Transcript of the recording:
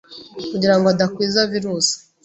kugira ngo adakwiza virus,